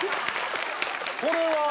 これは。